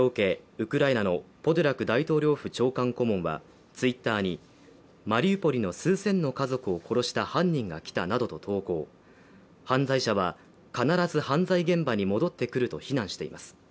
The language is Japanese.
ウクライナのポドリャク大統領府長官顧問はＴｗｉｔｔｅｒにマリウポリの数千の家族を殺した犯人が来たなどと投稿、犯罪者必ず犯罪現場に戻ってくると非難しています。